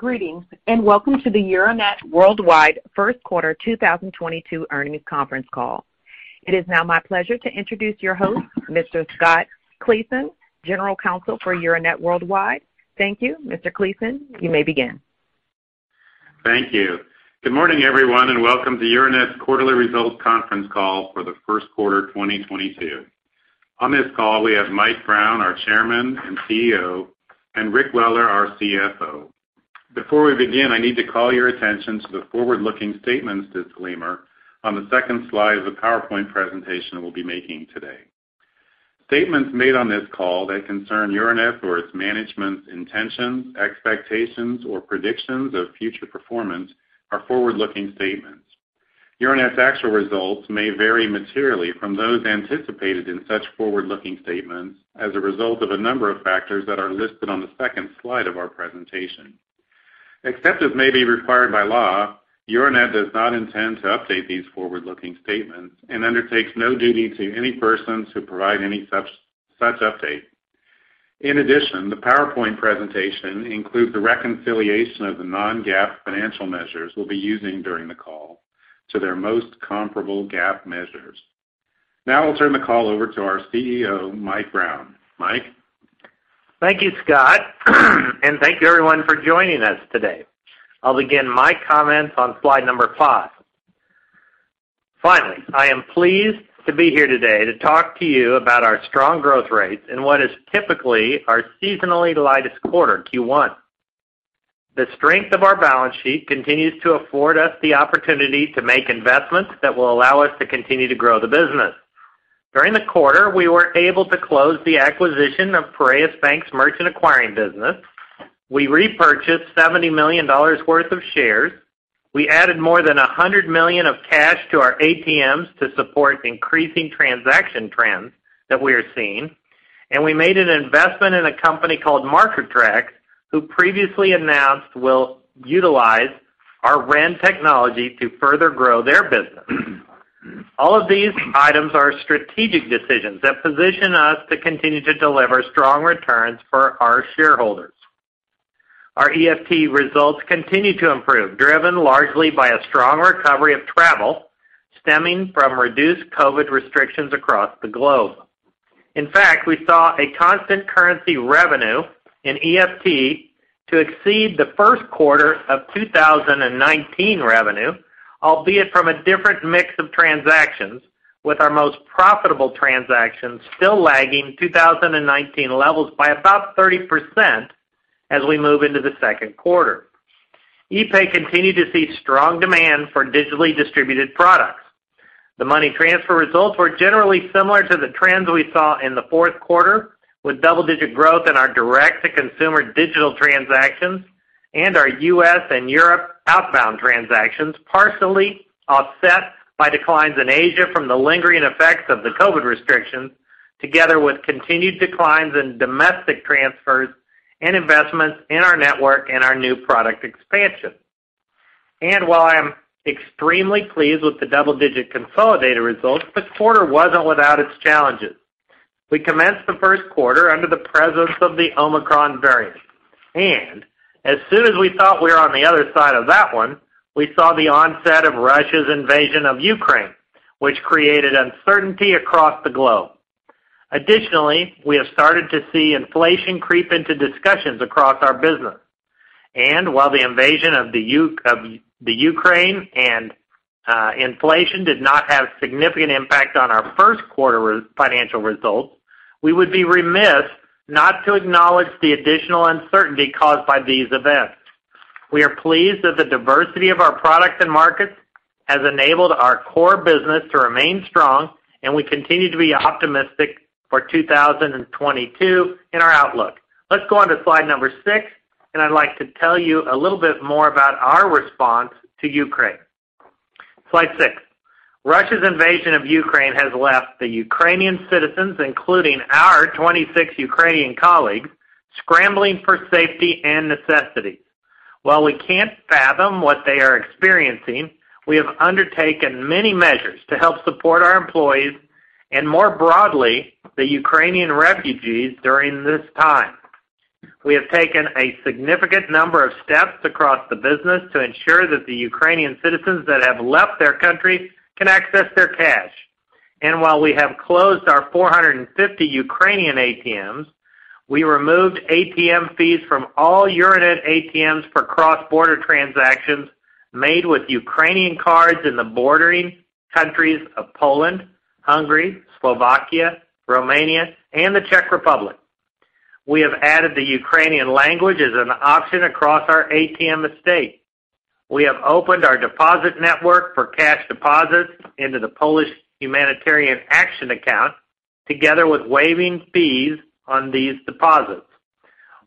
Greetings, and welcome to the Euronet Worldwide First Quarter 2022 Earnings Conference Call. It is now my pleasure to introduce your host, Mr. Scott Claassen, General Counsel for Euronet Worldwide. Thank you. Mr. Claassen, you may begin. Thank you. Good morning, everyone, and welcome to Euronet's quarterly results conference call for the first quarter, 2022. On this call, we have Mike Brown, our Chairman and CEO, and Rick Weller, our CFO. Before we begin, I need to call your attention to the forward-looking statements disclaimer on the second slide of the PowerPoint presentation we'll be making today. Statements made on this call that concern Euronet or its management's intentions, expectations, or predictions of future performance are forward-looking statements. Euronet's actual results may vary materially from those anticipated in such forward-looking statements as a result of a number of factors that are listed on the second slide of our presentation. Except as may be required by law, Euronet does not intend to update these forward-looking statements and undertakes no duty to any persons to provide any such update. In addition, the PowerPoint presentation includes the reconciliation of the non-GAAP financial measures we'll be using during the call to their most comparable GAAP measures. Now I'll turn the call over to our CEO, Mike Brown. Mike? Thank you, Scott, and thank you everyone for joining us today. I'll begin my comments on slide number five. Finally, I am pleased to be here today to talk to you about our strong growth rates in what is typically our seasonally lightest quarter, Q1. The strength of our balance sheet continues to afford us the opportunity to make investments that will allow us to continue to grow the business. During the quarter, we were able to close the acquisition of Piraeus Bank's merchant acquiring business. We repurchased $70 million worth of shares. We added more than $100 million of cash to our ATMs to support increasing transaction trends that we are seeing. We made an investment in a company called Marker Trax, who previously announced will utilize our Ren technology to further grow their business. All of these items are strategic decisions that position us to continue to deliver strong returns for our shareholders. Our EFT results continue to improve, driven largely by a strong recovery of travel stemming from reduced COVID restrictions across the globe. In fact, we saw a constant currency revenue in EFT to exceed the first quarter of 2019 revenue, albeit from a different mix of transactions, with our most profitable transactions still lagging 2019 levels by about 30% as we move into the second quarter. epay continued to see strong demand for digitally distributed products. The money transfer results were generally similar to the trends we saw in the fourth quarter, with double-digit growth in our direct-to-consumer digital transactions and our U.S. and Europe outbound transactions, partially offset by declines in Asia from the lingering effects of the COVID restrictions, together with continued declines in domestic transfers and investments in our network and our new product expansion. While I am extremely pleased with the double-digit consolidated results, this quarter wasn't without its challenges. We commenced the first quarter under the presence of the Omicron variant. As soon as we thought we were on the other side of that one, we saw the onset of Russia's invasion of Ukraine, which created uncertainty across the globe. Additionally, we have started to see inflation creep into discussions across our business. While the invasion of the Ukraine and inflation did not have significant impact on our first quarter financial results, we would be remiss not to acknowledge the additional uncertainty caused by these events. We are pleased that the diversity of our products and markets has enabled our core business to remain strong, and we continue to be optimistic for 2022 in our outlook. Let's go on to slide number six, and I'd like to tell you a little bit more about our response to Ukraine. Slide six. Russia's invasion of Ukraine has left the Ukrainian citizens, including our 26 Ukrainian colleagues, scrambling for safety and necessities. While we can't fathom what they are experiencing, we have undertaken many measures to help support our employees and more broadly, the Ukrainian refugees during this time. We have taken a significant number of steps across the business to ensure that the Ukrainian citizens that have left their country can access their cash. While we have closed our 450 Ukrainian ATMs, we removed ATM fees from all Euronet ATMs for cross-border transactions made with Ukrainian cards in the bordering countries of Poland, Hungary, Slovakia, Romania, and the Czech Republic. We have added the Ukrainian language as an option across our ATM estate. We have opened our deposit network for cash deposits into the Polish Humanitarian Action account together with waiving fees on these deposits.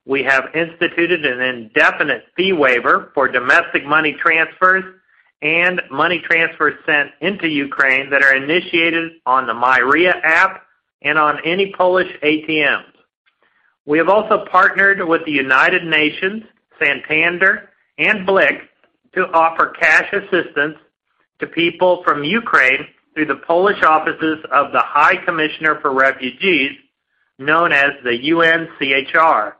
We have instituted an indefinite fee waiver for domestic money transfers and money transfers sent into Ukraine that are initiated on the Ria app and on any Polish ATMs. We have also partnered with the United Nations, Santander, and BLIK to offer cash assistance to people from Ukraine through the Polish offices of the High Commissioner for Refugees, known as the UNHCR.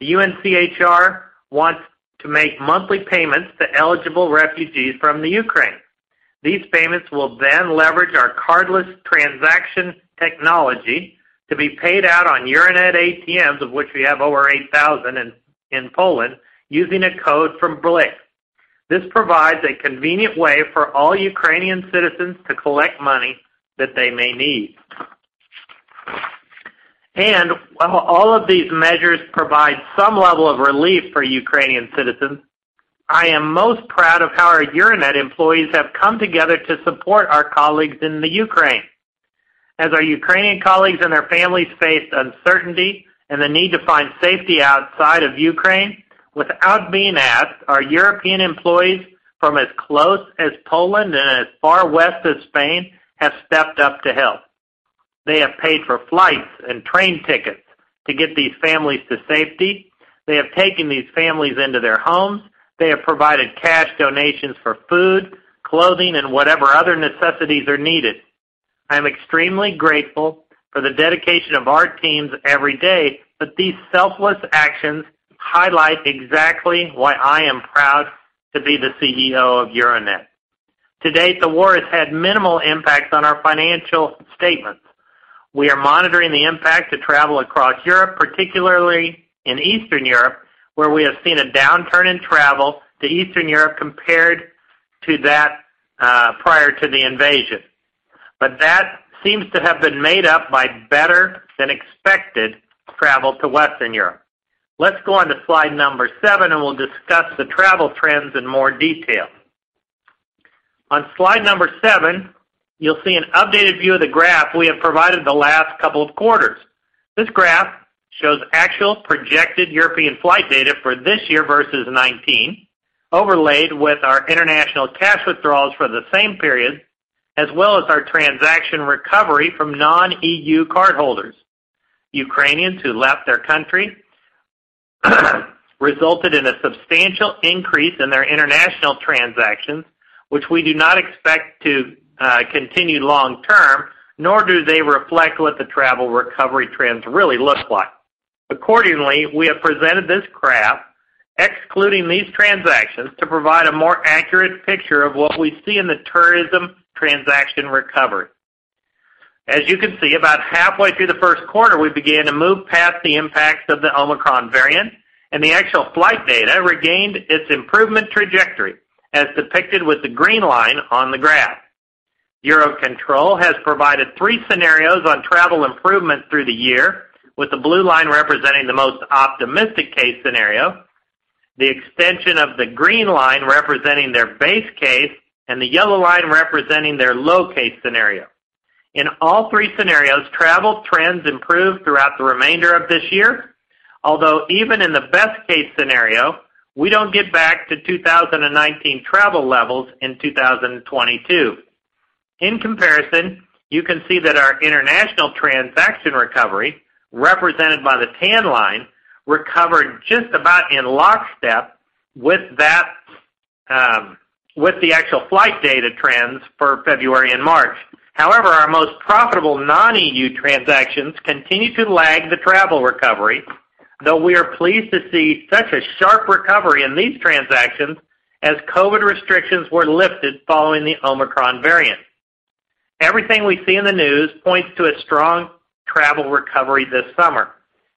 The UNHCR wants to make monthly payments to eligible refugees from the Ukraine. These payments will then leverage our cardless transaction technology to be paid out on Euronet ATMs, of which we have over 8,000 in Poland, using a code from BLIK. This provides a convenient way for all Ukrainian citizens to collect money that they may need. While all of these measures provide some level of relief for Ukrainian citizens, I am most proud of how our Euronet employees have come together to support our colleagues in the Ukraine. As our Ukrainian colleagues and their families face uncertainty and the need to find safety outside of Ukraine, without being asked, our European employees from as close as Poland and as far west as Spain have stepped up to help. They have paid for flights and train tickets to get these families to safety. They have taken these families into their homes. They have provided cash donations for food, clothing, and whatever other necessities are needed. I'm extremely grateful for the dedication of our teams every day, but these selfless actions highlight exactly why I am proud to be the CEO of Euronet. To date, the war has had minimal impact on our financial statements. We are monitoring the impact to travel across Europe, particularly in Eastern Europe, where we have seen a downturn in travel to Eastern Europe compared to that prior to the invasion. That seems to have been made up by better-than-expected travel to Western Europe. Let's go on to slide number seven, and we'll discuss the travel trends in more detail. On slide number seven, you'll see an updated view of the graph we have provided the last couple of quarters. This graph shows actual projected European flight data for this year versus 2019, overlaid with our international cash withdrawals for the same period, as well as our transaction recovery from non-E.U. cardholders. Ukrainians who left their country resulted in a substantial increase in their international transactions, which we do not expect to continue long term, nor do they reflect what the travel recovery trends really look like. Accordingly, we have presented this graph excluding these transactions to provide a more accurate picture of what we see in the tourism transaction recovery. As you can see, about halfway through the first quarter, we began to move past the impacts of the Omicron variant, and the actual flight data regained its improvement trajectory, as depicted with the green line on the graph. EUROCONTROL has provided three scenarios on travel improvement through the year, with the blue line representing the most optimistic case scenario, the extension of the green line representing their base case, and the yellow line representing their low case scenario. In all three scenarios, travel trends improve throughout the remainder of this year. Although even in the best case scenario, we don't get back to 2019 travel levels in 2022. In comparison, you can see that our international transaction recovery, represented by the tan line, recovered just about in lockstep with that, with the actual flight data trends for February and March. However, our most profitable non-E.U. transactions continue to lag the travel recovery, though we are pleased to see such a sharp recovery in these transactions as COVID restrictions were lifted following the Omicron variant. Everything we see in the news points to a strong travel recovery this summer.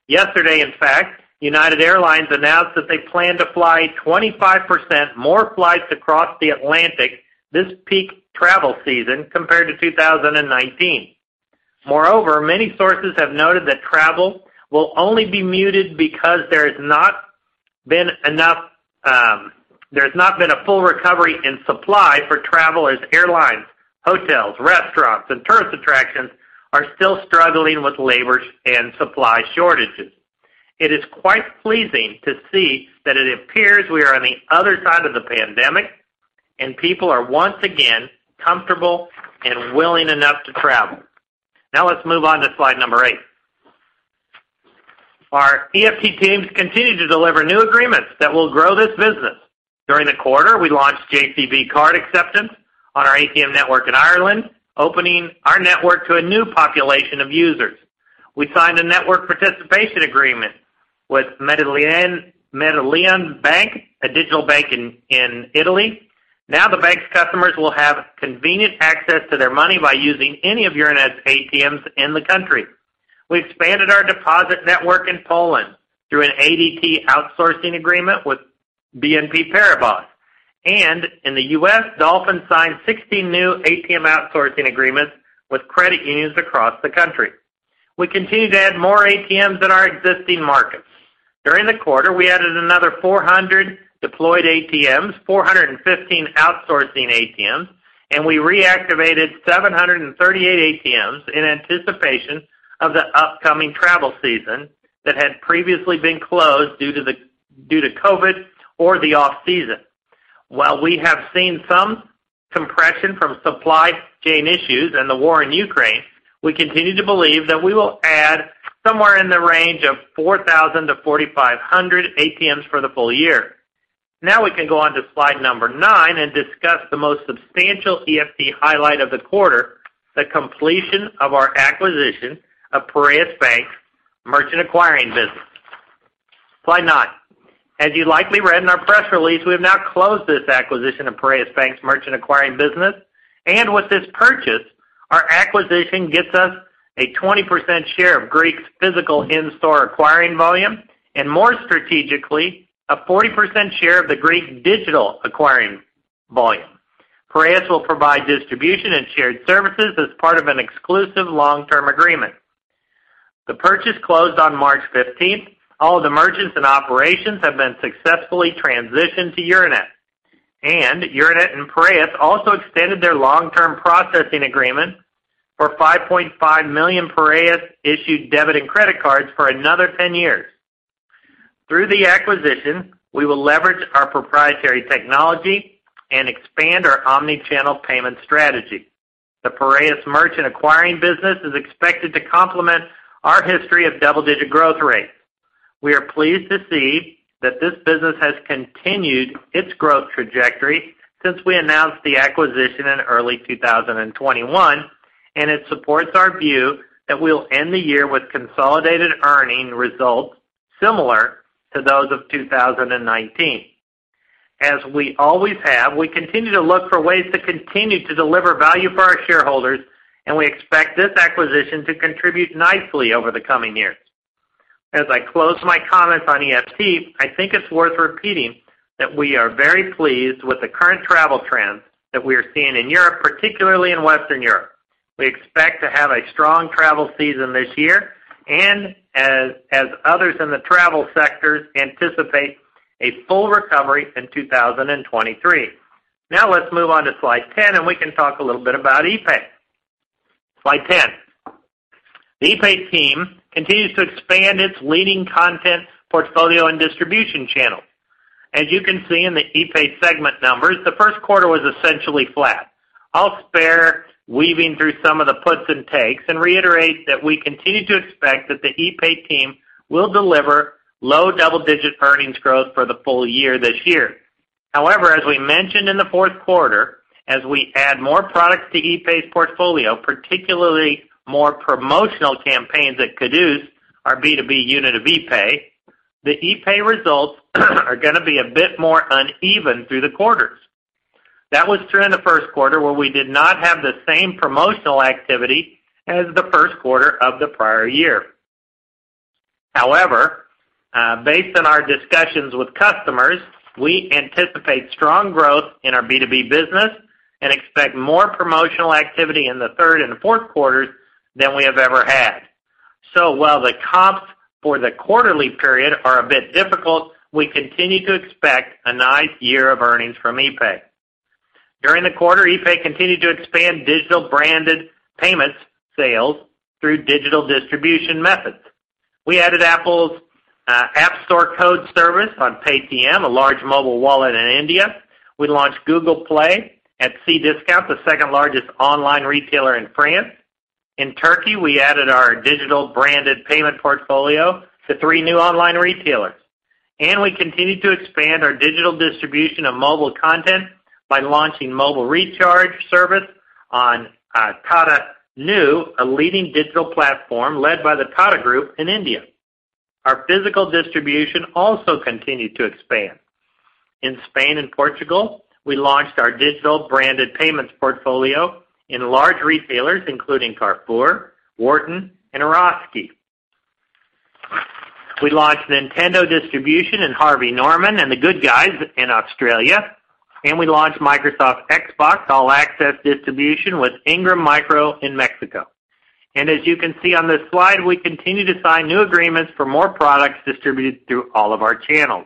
Yesterday, in fact, United Airlines announced that they plan to fly 25% more flights across the Atlantic this peak travel season compared to 2019. Moreover, many sources have noted that travel will only be muted because there's not been a full recovery in supply for travelers. Airlines, hotels, restaurants, and tourist attractions are still struggling with labor and supply shortages. It is quite pleasing to see that it appears we are on the other side of the pandemic, and people are once again comfortable and willing enough to travel. Now let's move on to slide number eight. Our EFT teams continue to deliver new agreements that will grow this business. During the quarter, we launched JCB card acceptance on our ATM network in Ireland, opening our network to a new population of users. We signed a network participation agreement with Banca Mediolanum, a digital bank in Italy. Now the bank's customers will have convenient access to their money by using any of Euronet's ATMs in the country. We expanded our deposit network in Poland through an ADP outsourcing agreement with BNP Paribas. In the U.S., Dolphin signed 60 new ATM outsourcing agreements with credit unions across the country. We continue to add more ATMs in our existing markets. During the quarter, we added another 400 deployed ATMs, 415 outsourcing ATMs, and we reactivated 738 ATMs in anticipation of the upcoming travel season that had previously been closed due to COVID or the off-season. While we have seen some compression from supply chain issues and the war in Ukraine. We continue to believe that we will add somewhere in the range of 4,000-4,500 ATMs for the full year. Now we can go on to slide number nine and discuss the most substantial EFT highlight of the quarter, the completion of our acquisition of Piraeus Bank merchant acquiring business. Slide nine. As you likely read in our press release, we have now closed this acquisition of Piraeus Bank's merchant acquiring business. With this purchase, our acquisition gets us a 20% share of Greece's physical in-store acquiring volume and more strategically, a 40% share of the Greece digital acquiring volume. Piraeus will provide distribution and shared services as part of an exclusive long-term agreement. The purchase closed on March fifteenth. All of the merchants and operations have been successfully transitioned to Euronet, and Euronet and Piraeus also extended their long-term processing agreement for 5.5 million Piraeus-issued debit and credit cards for another 10 years. Through the acquisition, we will leverage our proprietary technology and expand our omni-channel payment strategy. The Piraeus merchant acquiring business is expected to complement our history of double-digit growth rate. We are pleased to see that this business has continued its growth trajectory since we announced the acquisition in early 2021, and it supports our view that we'll end the year with consolidated earnings results similar to those of 2019. As we always have, we continue to look for ways to continue to deliver value for our shareholders, and we expect this acquisition to contribute nicely over the coming years. As I close my comments on EFT, I think it's worth repeating that we are very pleased with the current travel trends that we are seeing in Europe, particularly in Western Europe. We expect to have a strong travel season this year and as others in the travel sectors anticipate a full recovery in 2023. Now let's move on to slide 10, and we can talk a little bit about epay. Slide 10. The epay team continues to expand its leading content portfolio and distribution channel. As you can see in the epay segment numbers, the first quarter was essentially flat. I'll spare weaving through some of the puts and takes and reiterate that we continue to expect that the epay team will deliver low double-digit earnings growth for the full year this year. However, as we mentioned in the fourth quarter, as we add more products to epay's portfolio, particularly more promotional campaigns at cadooz, our B2B unit of epay, the epay results are gonna be a bit more uneven through the quarters. That was true in the first quarter, where we did not have the same promotional activity as the first quarter of the prior year. However, based on our discussions with customers, we anticipate strong growth in our B2B business and expect more promotional activity in the third and fourth quarters than we have ever had. While the comps for the quarterly period are a bit difficult, we continue to expect a nice year of earnings from epay. During the quarter, epay continued to expand digital branded payments sales through digital distribution methods. We added Apple's App Store code service on Paytm, a large mobile wallet in India. We launched Google Play at Cdiscount, the second-largest online retailer in France. In Turkey, we added our digital branded payment portfolio to three new online retailers, and we continued to expand our digital distribution of mobile content by launching mobile recharge service on Tata Neu, a leading digital platform led by the Tata Group in India. Our physical distribution also continued to expand. In Spain and Portugal, we launched our digital branded payments portfolio in large retailers, including Carrefour, Worten, and Eroski. We launched Nintendo distribution in Harvey Norman and The Good Guys in Australia, and we launched Microsoft Xbox All Access distribution with Ingram Micro in Mexico. As you can see on this slide, we continue to sign new agreements for more products distributed through all of our channels.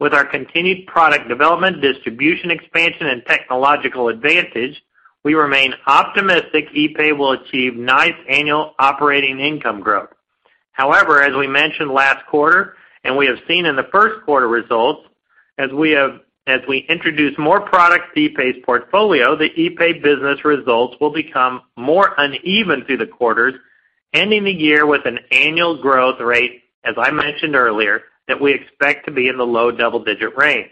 With our continued product development, distribution expansion and technological advantage, we remain optimistic Epay will achieve nice annual operating income growth. However, as we mentioned last quarter, and we have seen in the first quarter results, as we introduce more products to Epay's portfolio, the Epay business results will become more uneven through the quarters, ending the year with an annual growth rate, as I mentioned earlier, that we expect to be in the low double-digit range.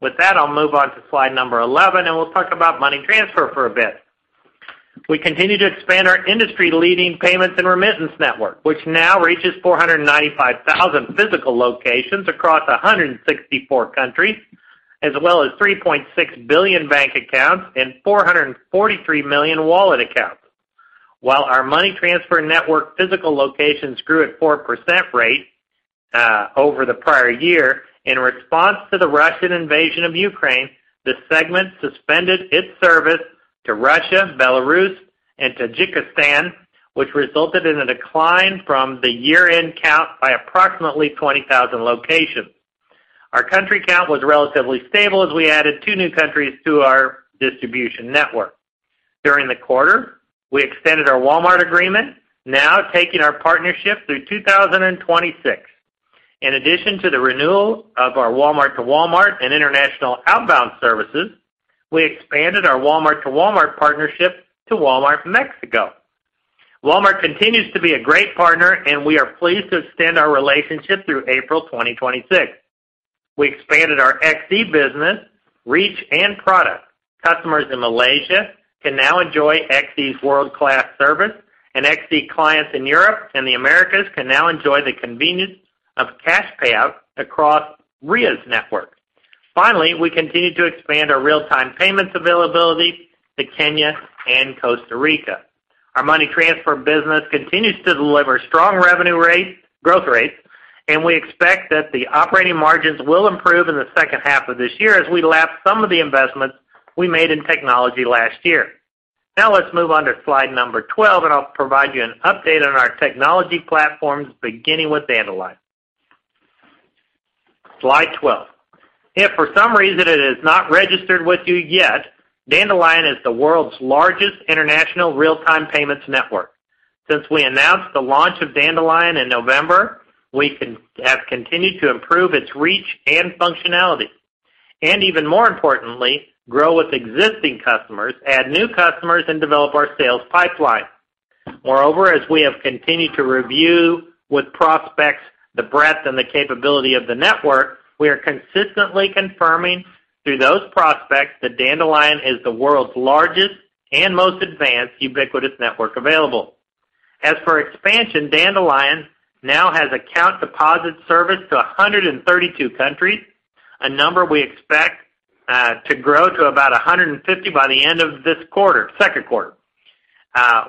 With that, I'll move on to slide number 11, and we'll talk about money transfer for a bit. We continue to expand our industry-leading payments and remittance network, which now reaches 495,000 physical locations across 164 countries, as well as 3.6 billion bank accounts and 443 million wallet accounts. While our money transfer network physical locations grew at 4% rate over the prior year, in response to the Russian invasion of Ukraine, the segment suspended its service to Russia, Belarus and Tajikistan, which resulted in a decline from the year-end count by approximately 20,000 locations. Our country count was relatively stable as we added two new countries to our distribution network. During the quarter, we extended our Walmart agreement, now taking our partnership through 2026. In addition to the renewal of our Walmart to Walmart and international outbound services, we expanded our Walmart to Walmart partnership to Walmart Mexico. Walmart continues to be a great partner, and we are pleased to extend our relationship through April 2026. We expanded our Xe business, reach and product. Customers in Malaysia can now enjoy Xe's world-class service, and Xe clients in Europe and the Americas can now enjoy the convenience of cash payouts across Ria's network. Finally, we continue to expand our real-time payments availability to Kenya and Costa Rica. Our money transfer business continues to deliver strong revenue growth rates, and we expect that the operating margins will improve in the second half of this year as we lap some of the investments we made in technology last year. Now let's move on to slide number 12, and I'll provide you an update on our technology platforms, beginning with Dandelion. Slide 12. If for some reason it is not registered with you yet, Dandelion is the world's largest international real-time payments network. Since we announced the launch of Dandelion in November, we have continued to improve its reach and functionality, and even more importantly, grow with existing customers, add new customers, and develop our sales pipeline. Moreover, as we have continued to review with prospects the breadth and the capability of the network, we are consistently confirming through those prospects that Dandelion is the world's largest and most advanced ubiquitous network available. As for expansion, Dandelion now has account deposit service to 132 countries, a number we expect to grow to about 150 by the end of this quarter, second quarter.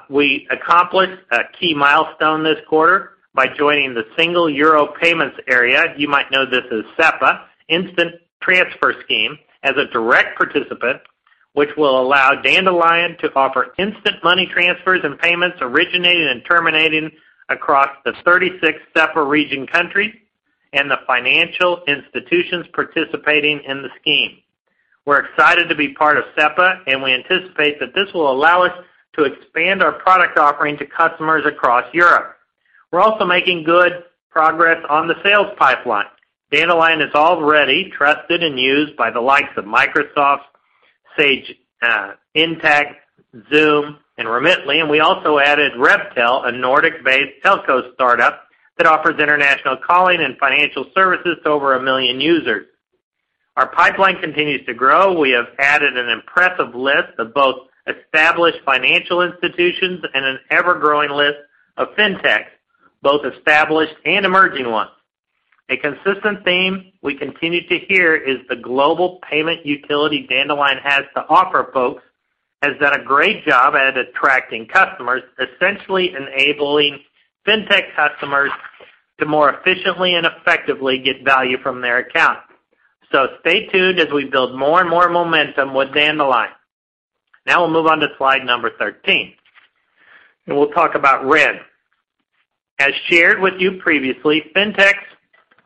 We accomplished a key milestone this quarter by joining the Single Euro Payments Area, you might know this as SEPA, instant transfer scheme as a direct participant, which will allow Dandelion to offer instant money transfers and payments originating and terminating across the 36 SEPA region countries and the financial institutions participating in the scheme. We're excited to be part of SEPA, and we anticipate that this will allow us to expand our product offering to customers across Europe. We're also making good progress on the sales pipeline. Dandelion is already trusted and used by the likes of Microsoft, Sage Intacct, Xoom, and Remitly, and we also added Rebtel, a Nordic-based telco startup that offers international calling and financial services to over 1 million users. Our pipeline continues to grow. We have added an impressive list of both established financial institutions and an ever-growing list of fintech, both established and emerging ones. A consistent theme we continue to hear is the global payment utility Dandelion has to offer, folks, has done a great job at attracting customers, essentially enabling fintech customers to more efficiently and effectively get value from their accounts. Stay tuned as we build more and more momentum with Dandelion. Now we'll move on to slide number 13, and we'll talk about Ren. As shared with you previously, fintechs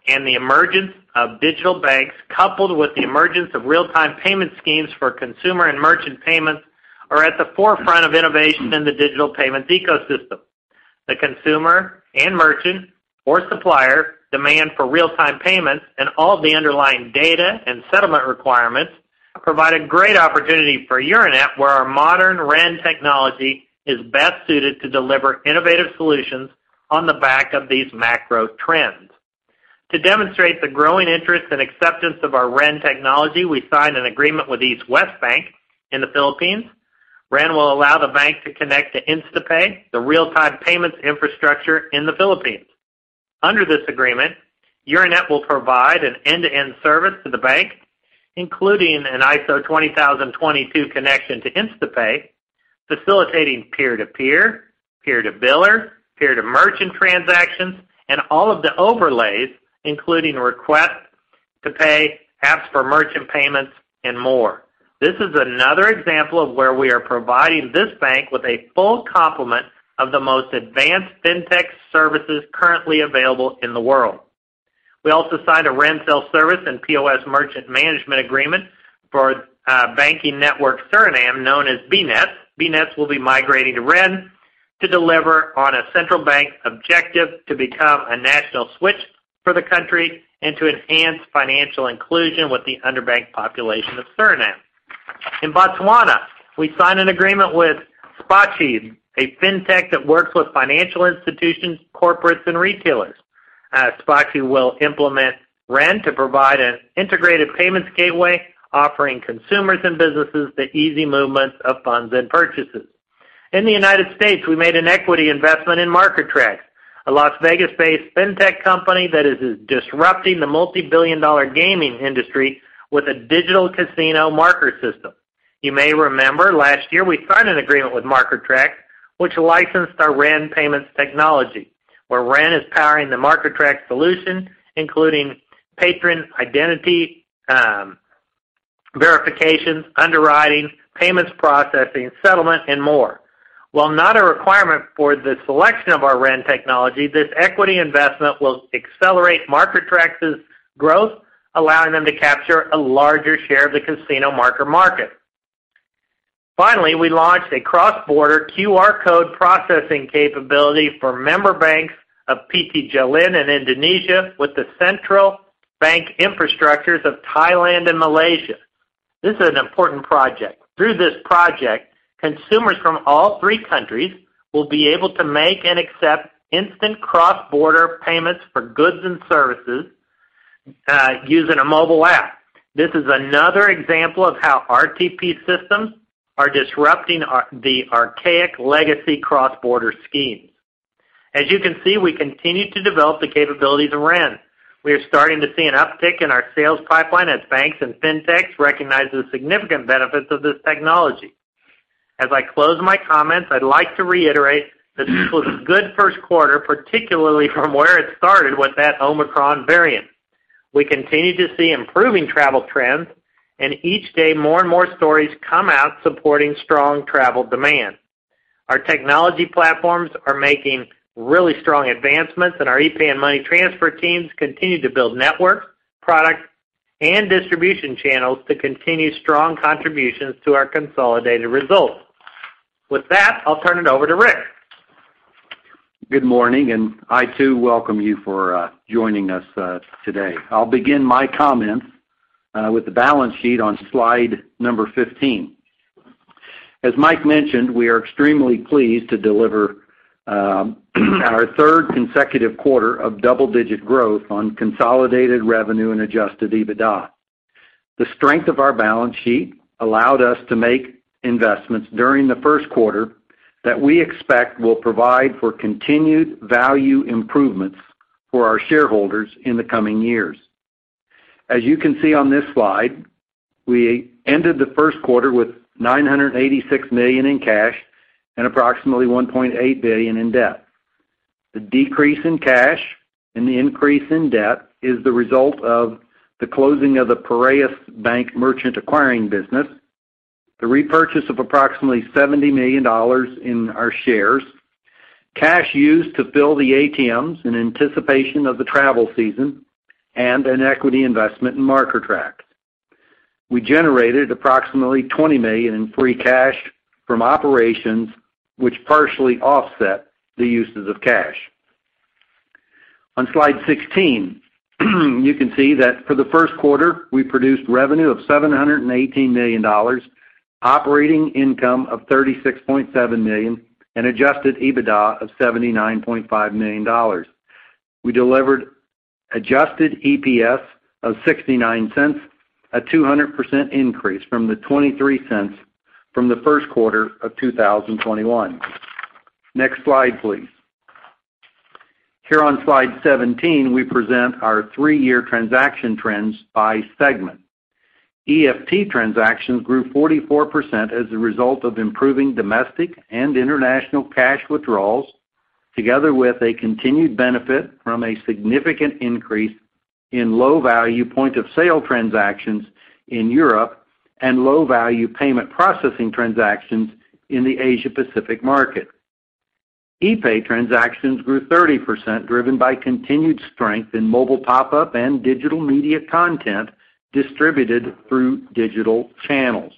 and the emergence of digital banks, coupled with the emergence of real-time payment schemes for consumer and merchant payments, are at the forefront of innovation in the digital payments ecosystem. The consumer and merchant or supplier demand for real-time payments and all the underlying data and settlement requirements provide a great opportunity for Euronet, where our modern Ren technology is best suited to deliver innovative solutions on the back of these macro trends. To demonstrate the growing interest and acceptance of our Ren technology, we signed an agreement with EastWest Bank in the Philippines. Ren will allow the bank to connect to InstaPay, the real-time payments infrastructure in the Philippines. Under this agreement, Euronet will provide an end-to-end service to the bank, including an ISO 20022 connection to InstaPay, facilitating peer-to-peer, peer-to-biller, peer-to-merchant transactions, and all of the overlays, including requests to pay, apps for merchant payments, and more. This is another example of where we are providing this bank with a full complement of the most advanced fintech services currently available in the world. We also signed a Ren sales service and POS merchant management agreement for banking network Suriname, known as BNETS. BNETS will be migrating to Ren to deliver on a central bank objective to become a national switch for the country and to enhance financial inclusion with the underbanked population of Suriname. In Botswana, we signed an agreement with Spati, a fintech that works with financial institutions, corporates, and retailers. Spati will implement Ren to provide an integrated payments gateway offering consumers and businesses the easy movements of funds and purchases. In the United States, we made an equity investment in Marker Trax, a Las Vegas-based fintech company that is disrupting the multibillion-dollar gaming industry with a digital casino marker system. You may remember last year we signed an agreement with Marker Trax, which licensed our Ren payments technology, where Ren is powering the Marker Trax solution, including patron identity verifications, underwriting, payments processing, settlement, and more. While not a requirement for the selection of our Ren technology, this equity investment will accelerate Marker Trax's growth, allowing them to capture a larger share of the casino marker market. Finally, we launched a cross-border QR code processing capability for member banks of PT Jalin in Indonesia with the central bank infrastructures of Thailand and Malaysia. This is an important project. Through this project, consumers from all three countries will be able to make and accept instant cross-border payments for goods and services using a mobile app. This is another example of how RTP systems are disrupting the archaic legacy cross-border schemes. As you can see, we continue to develop the capabilities around. We are starting to see an uptick in our sales pipeline as banks and FinTechs recognize the significant benefits of this technology. As I close my comments, I'd like to reiterate that this was a good first quarter, particularly from where it started with that Omicron variant. We continue to see improving travel trends, and each day, more and more stories come out supporting strong travel demand. Our technology platforms are making really strong advancements, and our epay and money transfer teams continue to build networks, products, and distribution channels to continue strong contributions to our consolidated results. With that, I'll turn it over to Rick. Good morning, I, too, welcome you for joining us today. I'll begin my comments with the balance sheet on slide number 15. As Mike mentioned, we are extremely pleased to deliver our third consecutive quarter of double-digit growth on consolidated revenue and adjusted EBITDA. The strength of our balance sheet allowed us to make investments during the first quarter that we expect will provide for continued value improvements for our shareholders in the coming years. As you can see on this slide, we ended the first quarter with $986 million in cash and approximately $1.8 billion in debt. The decrease in cash and the increase in debt is the result of the closing of the Piraeus Bank Merchant Acquiring business, the repurchase of approximately $70 million in our shares, cash used to fill the ATMs in anticipation of the travel season, and an equity investment in Marker Trax. We generated approximately $20 million in free cash from operations, which partially offset the uses of cash. On slide 16, you can see that for the first quarter, we produced revenue of $718 million, operating income of $36.7 million, and adjusted EBITDA of $79.5 million. We delivered adjusted EPS of $0.69, a 200% increase from the $0.23 from the first quarter of 2021. Next slide, please. Here on slide 17, we present our three-year transaction trends by segment. EFT transactions grew 44% as a result of improving domestic and international cash withdrawals, together with a continued benefit from a significant increase in low-value point-of-sale transactions in Europe and low-value payment processing transactions in the Asia-Pacific market. epay transactions grew 30%, driven by continued strength in mobile top-up and digital media content distributed through digital channels.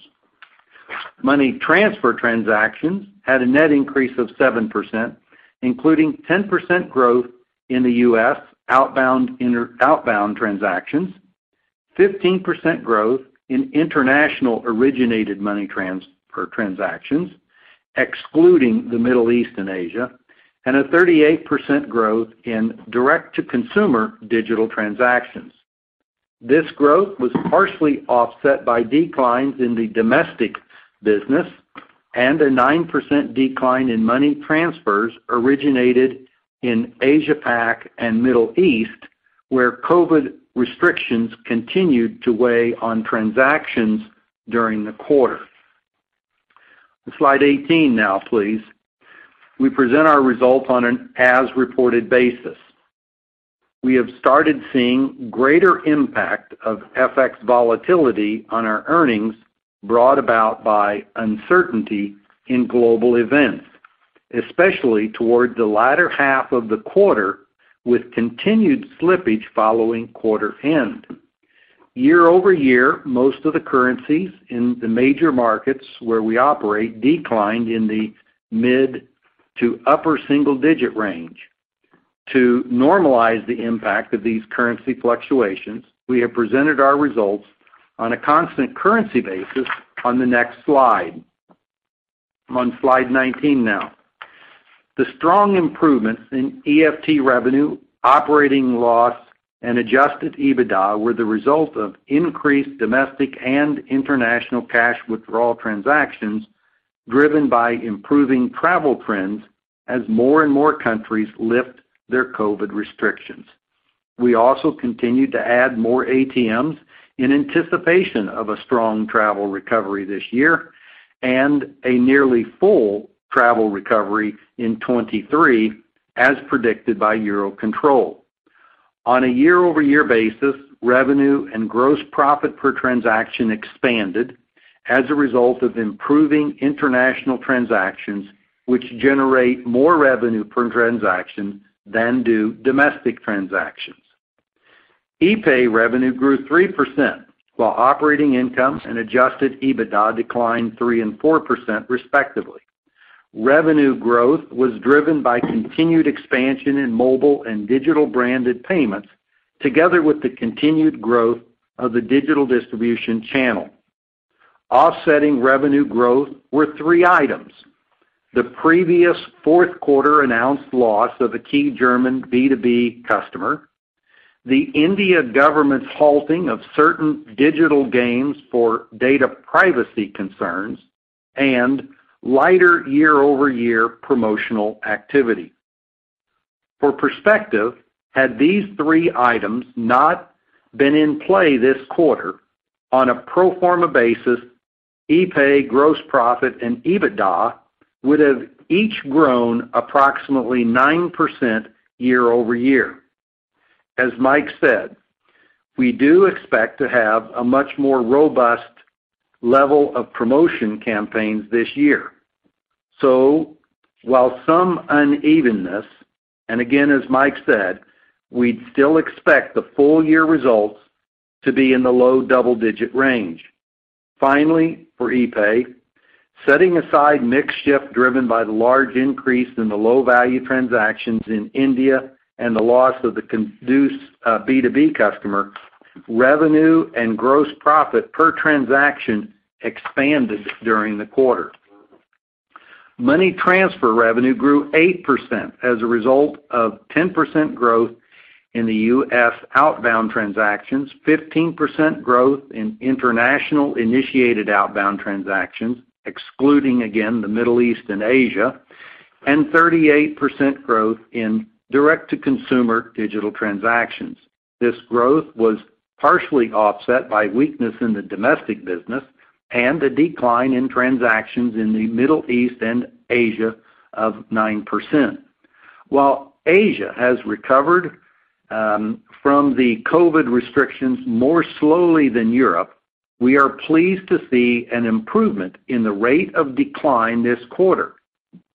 Money transfer transactions had a net increase of 7%, including 10% growth in the U.S. outbound outbound transactions, 15% growth in international-originated money transactions, excluding the Middle East and Asia, and a 38% growth in direct-to-consumer digital transactions. This growth was partially offset by declines in the domestic business and a 9% decline in money transfers originated in Asia-Pacific and Middle East, where COVID restrictions continued to weigh on transactions during the quarter. To slide 18 now, please. We present our results on an as-reported basis. We have started seeing greater impact of FX volatility on our earnings brought about by uncertainty in global events, especially toward the latter half of the quarter with continued slippage following quarter end. Year-over-year, most of the currencies in the major markets where we operate declined in the mid to upper single-digit range. To normalize the impact of these currency fluctuations, we have presented our results on a constant currency basis on the next slide. On slide 19 now. The strong improvements in EFT revenue, operating loss, and adjusted EBITDA were the result of increased domestic and international cash withdrawal transactions driven by improving travel trends as more and more countries lift their COVID restrictions. We also continued to add more ATMs in anticipation of a strong travel recovery this year and a nearly full travel recovery in 2023 as predicted by EUROCONTROL. On a year-over-year basis, revenue and gross profit per transaction expanded as a result of improving international transactions, which generate more revenue per transaction than do domestic transactions. epay revenue grew 3%, while operating income and adjusted EBITDA declined 3% and 4% respectively. Revenue growth was driven by continued expansion in mobile and digital branded payments together with the continued growth of the digital distribution channel. Offsetting revenue growth were three items, the previous fourth quarter announced loss of a key German B2B customer, the Indian government's halting of certain digital games for data privacy concerns, and lighter year-over-year promotional activity. For perspective, had these three items not been in play this quarter, on a pro forma basis, epay gross profit and EBITDA would have each grown approximately 9% year-over-year. As Mike said, we do expect to have a much more robust level of promotion campaigns this year. While some unevenness, and again, as Mike said, we'd still expect the full year results to be in the low double-digit range. Finally, for epay, setting aside mix shift driven by the large increase in the low-value transactions in India and the loss of the Conduent B2B customer, revenue and gross profit per transaction expanded during the quarter. Money transfer revenue grew 8% as a result of 10% growth in the U.S. outbound transactions, 15% growth in international-initiated outbound transactions, excluding again the Middle East and Asia, and 38% growth in direct-to-consumer digital transactions. This growth was partially offset by weakness in the domestic business and a decline in transactions in the Middle East and Asia of 9%. While Asia has recovered from the COVID restrictions more slowly than Europe, we are pleased to see an improvement in the rate of decline this quarter.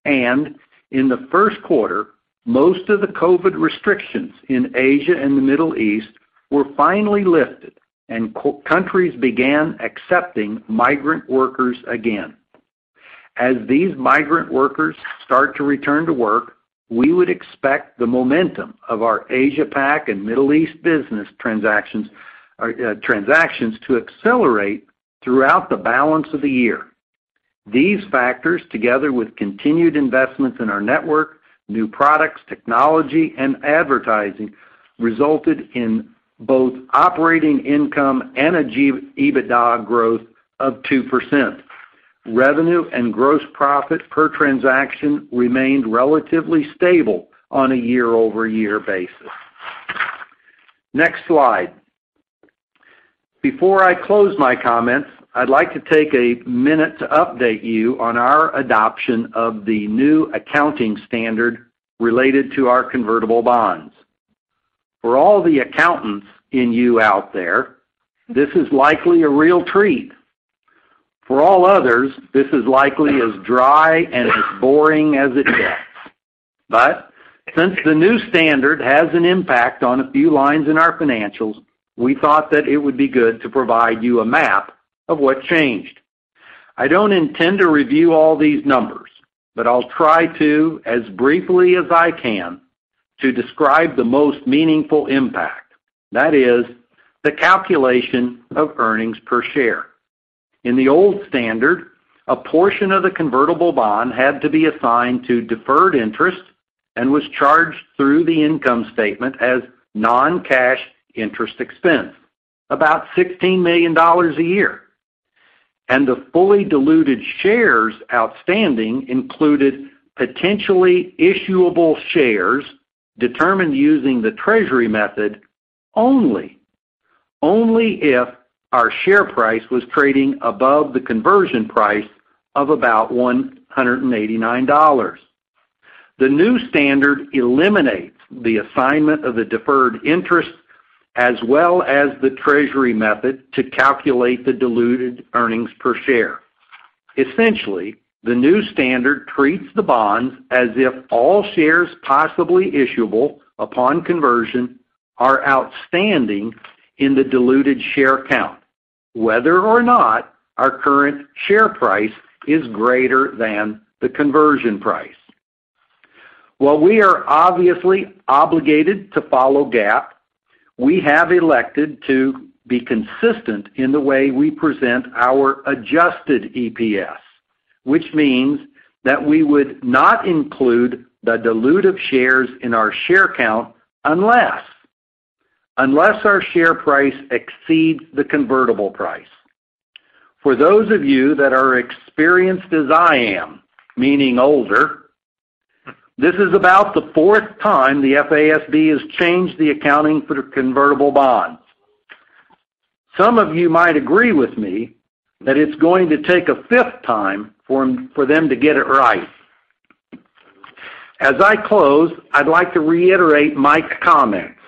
In the first quarter, most of the COVID restrictions in Asia and the Middle East were finally lifted and countries began accepting migrant workers again. As these migrant workers start to return to work, we would expect the momentum of our Asia Pac and Middle East business transactions to accelerate throughout the balance of the year. These factors, together with continued investments in our network, new products, technology, and advertising, resulted in both operating income and adjusted EBITDA growth of 2%. Revenue and gross profit per transaction remained relatively stable on a year-over-year basis. Next slide. Before I close my comments, I'd like to take a minute to update you on our adoption of the new accounting standard related to our convertible bonds. For all the accountants in you out there, this is likely a real treat. For all others, this is likely as dry and as boring as it gets. Since the new standard has an impact on a few lines in our financials, we thought that it would be good to provide you a map of what changed. I don't intend to review all these numbers, but I'll try to, as briefly as I can, to describe the most meaningful impact. That is, the calculation of earnings per share. In the old standard, a portion of the convertible bond had to be assigned to deferred interest and was charged through the income statement as non-cash interest expense, about $16 million a year. The fully diluted shares outstanding included potentially issuable shares determined using the treasury method only if our share price was trading above the conversion price of about $189. The new standard eliminates the assignment of the deferred interest as well as the treasury method to calculate the diluted earnings per share. Essentially, the new standard treats the bonds as if all shares possibly issuable upon conversion are outstanding in the diluted share count, whether or not our current share price is greater than the conversion price. While we are obviously obligated to follow GAAP, we have elected to be consistent in the way we present our adjusted EPS, which means that we would not include the dilutive shares in our share count unless our share price exceeds the convertible price. For those of you that are experienced as I am, meaning older, this is about the fourth time the FASB has changed the accounting for the convertible bonds. Some of you might agree with me that it's going to take a fifth time for them to get it right. As I close, I'd like to reiterate Mike's comments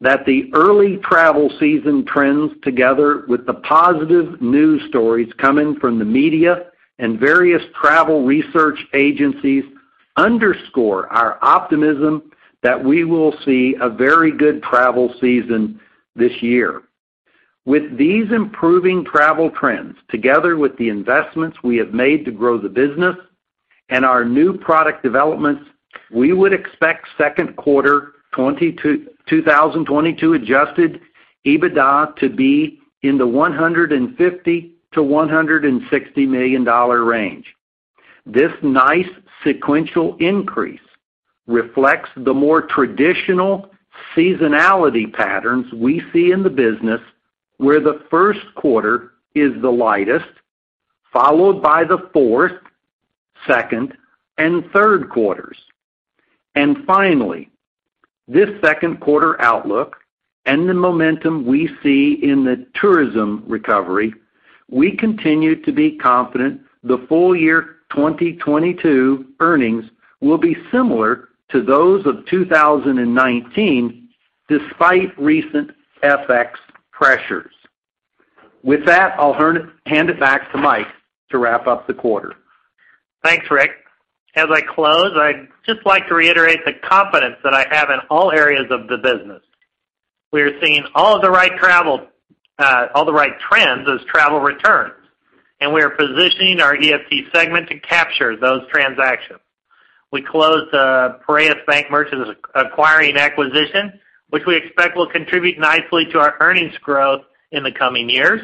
that the early travel season trends together with the positive news stories coming from the media and various travel research agencies underscore our optimism that we will see a very good travel season this year. With these improving travel trends, together with the investments we have made to grow the business and our new product developments, we would expect second quarter 2022 adjusted EBITDA to be in the $150 million-$160 million range. This nice sequential increase reflects the more traditional seasonality patterns we see in the business, where the first quarter is the lightest, followed by the fourth, second, and third quarters. Finally, this second quarter outlook and the momentum we see in the tourism recovery, we continue to be confident the full year 2022 earnings will be similar to those of 2019 despite recent FX pressures. With that, I'll hand it back to Mike to wrap up the quarter. Thanks, Rick. As I close, I'd just like to reiterate the confidence that I have in all areas of the business. We are seeing all the right trends as travel returns, and we are positioning our EFT segment to capture those transactions. We closed the Piraeus Bank merchant acquiring acquisition, which we expect will contribute nicely to our earnings growth in the coming years.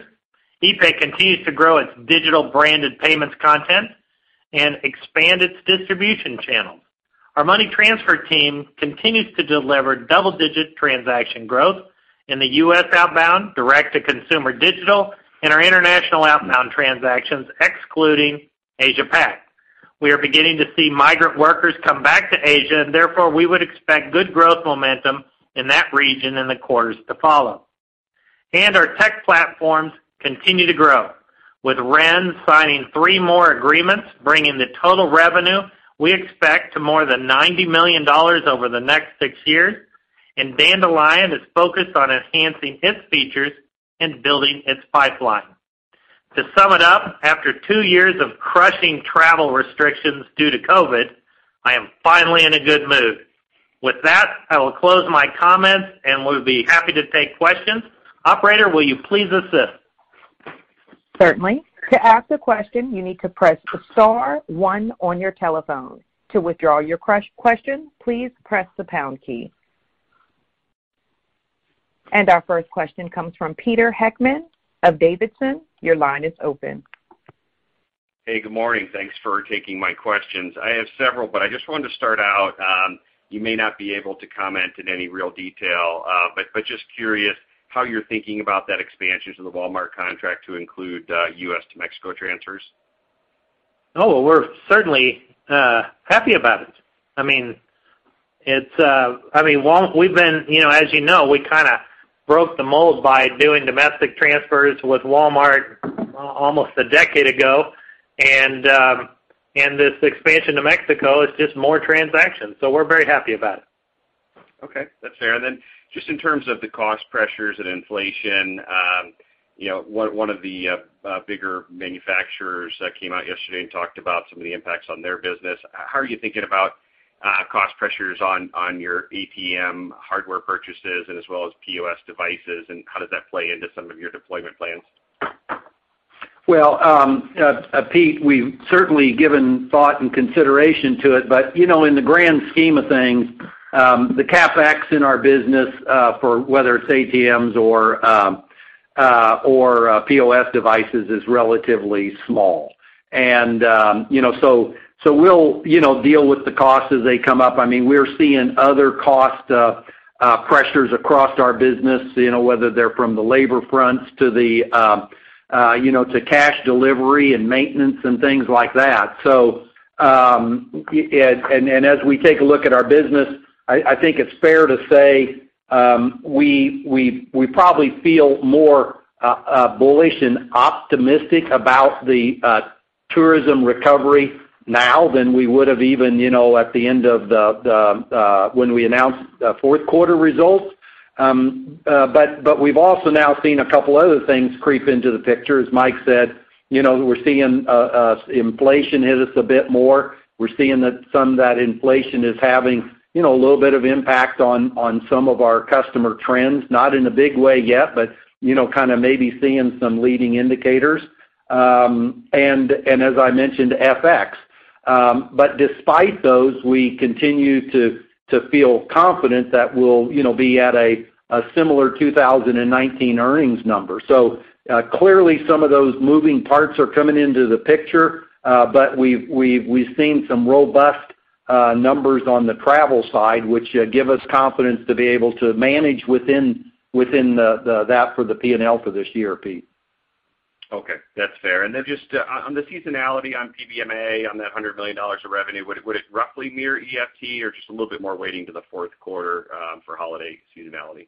epay continues to grow its digital branded payments content and expand its distribution channels. Our money transfer team continues to deliver double-digit transaction growth in the U.S. outbound, direct-to-consumer digital, and our international outbound transactions, excluding Asia-Pac. We are beginning to see migrant workers come back to Asia, and therefore, we would expect good growth momentum in that region in the quarters to follow. Our tech platforms continue to grow, with Ren signing three more agreements, bringing the total revenue we expect to more than $90 million over the next six years. Dandelion is focused on enhancing its features and building its pipeline. To sum it up, after two years of crushing travel restrictions due to COVID, I am finally in a good mood. With that, I will close my comments, and we'll be happy to take questions. Operator, will you please assist? Certainly. To ask a question, you need to press star one on your telephone. To withdraw your question, please press the pound key. Our first question comes from Peter Heckmann of D.A. Davidson. Your line is open. Hey, good morning. Thanks for taking my questions. I have several, but I just wanted to start out, you may not be able to comment in any real detail, but just curious how you're thinking about that expansion to the Walmart contract to include, U.S. to Mexico transfers. Oh, well, we're certainly happy about it. I mean, we've been, you know, as you know, we kinda broke the mold by doing domestic transfers with Walmart, almost a decade ago. This expansion to Mexico is just more transactions, so we're very happy about it. Okay, that's fair. Just in terms of the cost pressures and inflation, you know, one of the bigger manufacturers came out yesterday and talked about some of the impacts on their business. How are you thinking about cost pressures on your ATM hardware purchases and as well as POS devices, and how does that play into some of your deployment plans? Well, Pete, we've certainly given thought and consideration to it, but, you know, in the grand scheme of things, the CapEx in our business, for whether it's ATMs or POS devices is relatively small. You know, so we'll deal with the costs as they come up. I mean, we're seeing other cost pressures across our business, you know, whether they're from the labor fronts to the, you know, to cash delivery and maintenance and things like that. As we take a look at our business, I think it's fair to say we probably feel more bullish and optimistic about the tourism recovery now than we would've even, you know, at the end of the when we announced fourth quarter results. We've also now seen a couple other things creep into the picture, as Mike said. You know, we're seeing inflation hit us a bit more. We're seeing that some of that inflation is having, you know, a little bit of impact on some of our customer trends, not in a big way yet, but, you know, kinda maybe seeing some leading indicators. As I mentioned, FX. Despite those, we continue to feel confident that we'll, you know, be at a similar 2019 earnings number. Clearly, some of those moving parts are coming into the picture, but we've seen some robust numbers on the travel side, which give us confidence to be able to manage within the that for the P&L for this year, Pete. Okay. That's fair. Just on the seasonality on PBMA, on that $100 million of revenue, would it roughly mirror EFT or just a little bit more weighting to the fourth quarter, for holiday seasonality?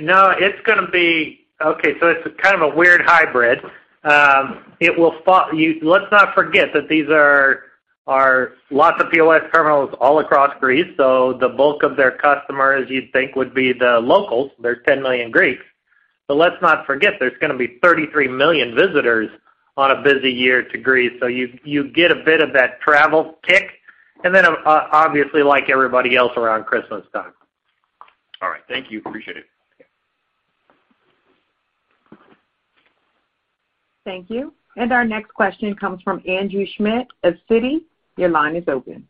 No, it's gonna be okay, so it's kind of a weird hybrid. Let's not forget that these are lots of POS terminals all across Greece, so the bulk of their customers, you'd think, would be the locals. There are 10 million Greeks. Let's not forget, there's gonna be 33 million visitors in a busy year to Greece. You get a bit of that travel kick, and then, obviously like everybody else, around Christmastime. All right. Thank you. Appreciate it. Okay. Thank you. Our next question comes from Andrew Schmidt of Citi. Your line is open.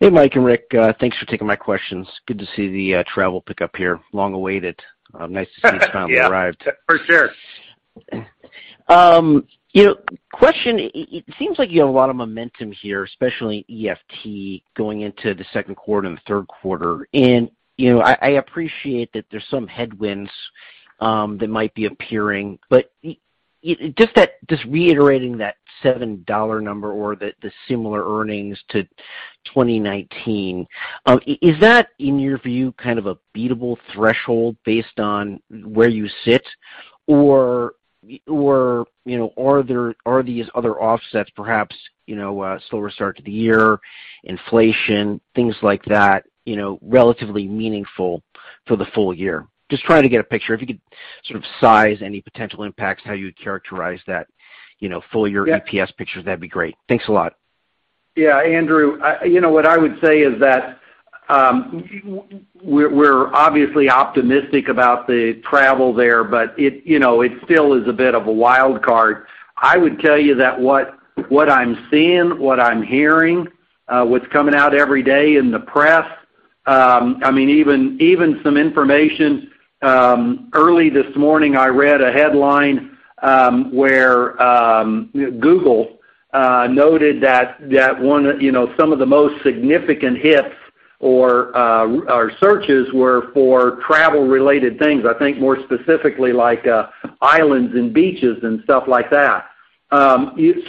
Hey, Mike and Rick. Thanks for taking my questions. Good to see the travel pick up here. Long awaited. Nice to see it's finally arrived. Yeah. For sure. You know, question, it seems like you have a lot of momentum here, especially EFT going into the second quarter and the third quarter. You know, I appreciate that there's some headwinds that might be appearing, but just reiterating that $7 number or the similar earnings to 2019, is that, in your view, kind of a beatable threshold based on where you sit? Or, you know, are these other offsets perhaps, you know, a slower start to the year, inflation, things like that, you know, relatively meaningful for the full year? Just trying to get a picture. If you could sort of size any potential impacts, how you characterize that, you know, full year EPS picture, that'd be great. Thanks a lot. Yeah, Andrew, you know, what I would say is that we're obviously optimistic about the travel there, but you know, it still is a bit of a wild card. I would tell you that what I'm seeing, what I'm hearing, what's coming out every day in the press, I mean, even some information early this morning, I read a headline where Google noted that one of you know, some of the most significant hits or searches were for travel-related things, I think more specifically like islands and beaches and stuff like that. You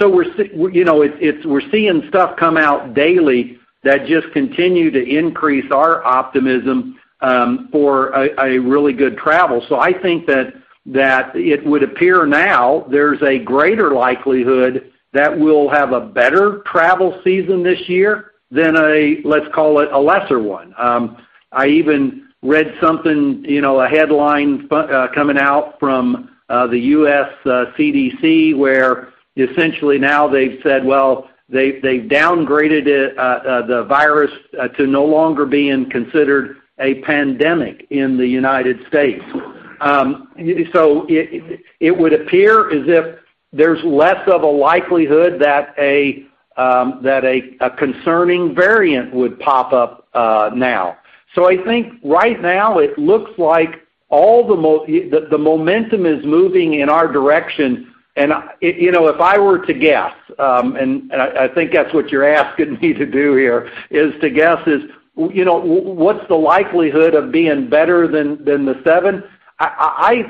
know, we're seeing stuff come out daily that just continue to increase our optimism for a really good travel. I think that it would appear now there's a greater likelihood that we'll have a better travel season this year than a, let's call it, a lesser one. I even read something, you know, a headline coming out from the U.S. CDC, where essentially now they've said they've downgraded the virus to no longer being considered a pandemic in the United States. It would appear as if there's less of a likelihood that a concerning variant would pop up now. I think right now it looks like all the momentum is moving in our direction. You know, if I were to guess, and I think that's what you're asking me to do here, is to guess, you know, what's the likelihood of being better than seven? I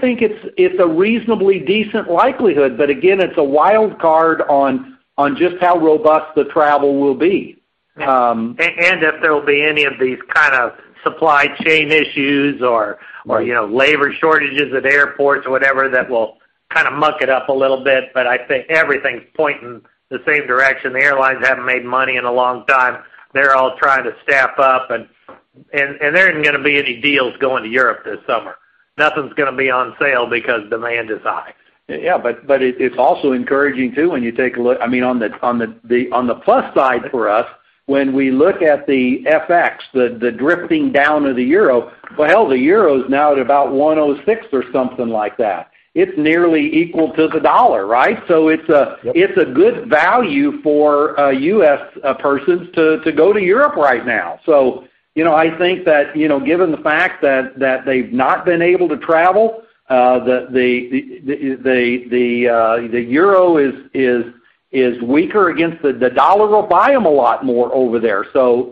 think it's a reasonably decent likelihood, but again, it's a wild card on just how robust the travel will be. If there will be any of these kind of supply chain issues or, you know, labor shortages at airports or whatever that will kind of muck it up a little bit. I think everything's pointing the same direction. The airlines haven't made money in a long time. They're all trying to staff up, and there isn't gonna be any deals going to Europe this summer. Nothing's gonna be on sale because demand is high. Yeah, it's also encouraging too, when you take a look. I mean, on the plus side for us, when we look at the FX, the drifting down of the euro. Well, hell, the euro is now at about 1.06 or something like that. It's nearly equal to the U.S. dollar, right? It's a. Yep. It's a good value for a U.S. person to go to Europe right now. You know, I think that, you know, given the fact that they've not been able to travel, the euro is weaker against the dollar. The dollar will buy them a lot more over there.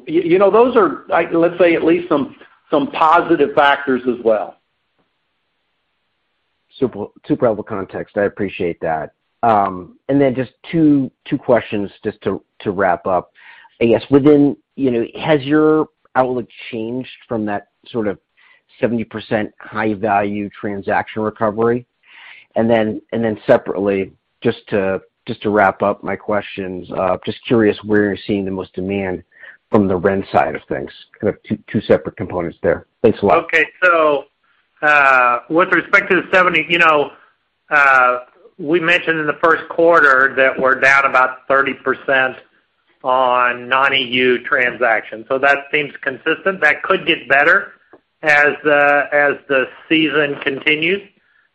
You know, those are, let's say, at least some positive factors as well. Super, super helpful context. I appreciate that. Just two questions just to wrap up. I guess within, you know, has your outlook changed from that sort of 70% high value transaction recovery? Separately, just to wrap up my questions, just curious where you're seeing the most demand from the Ren side of things. Kind of two separate components there. Thanks a lot. With respect to the 70, you know, we mentioned in the first quarter that we're down about 30% on non-E.U. transactions, so that seems consistent. That could get better as the season continues.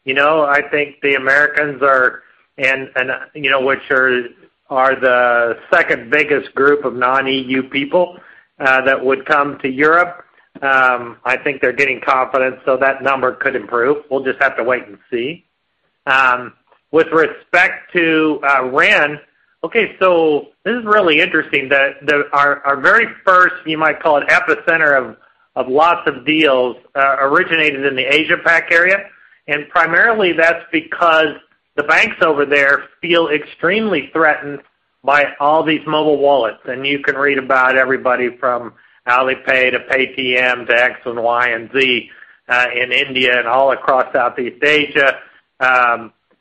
You know, I think the Americans are and you know which are the second biggest group of non-E.U. people that would come to Europe. I think they're getting confident, so that number could improve. We'll just have to wait and see. With respect to Ren, this is really interesting that our very first, you might call it, epicenter of lots of deals originated in the Asia PAC area. Primarily that's because the banks over there feel extremely threatened by all these mobile wallets. You can read about everybody from Alipay to Paytm to X and Y and Z in India and all across Southeast Asia.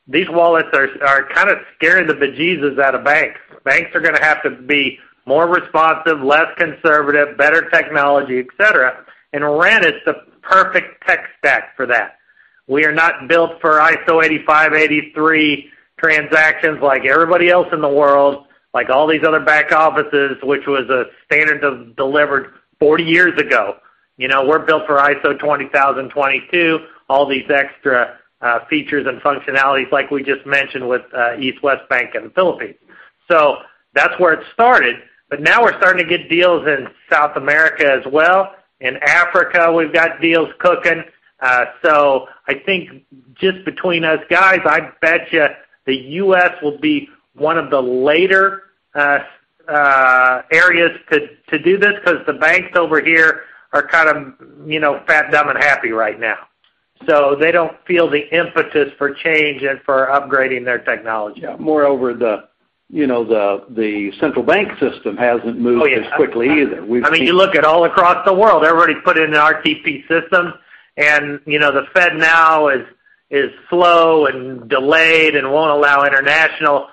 These wallets are kind of scaring the bejesus out of banks. Banks are gonna have to be more responsive, less conservative, better technology, et cetera. Ren is the perfect tech stack for that. We are not built for ISO 8583 transactions like everybody else in the world, like all these other back offices, which was a standard delivered 40 years ago. You know, we're built for ISO 20022, all these extra features and functionalities like we just mentioned with EastWest Bank in the Philippines. That's where it started. Now we're starting to get deals in South America as well. In Africa, we've got deals cooking. I think just between us guys, I bet you the U.S. will be one of the later areas to do this 'cause the banks over here are kind of, you know, fat, dumb, and happy right now. They don't feel the impetus for change and for upgrading their technology. Yeah. Moreover, you know, the central bank system hasn't moved. Oh, yeah. As quickly either. We've seen I mean, you look at all across the world, everybody's putting in an RTP system. You know, the FedNow is slow and delayed and won't allow international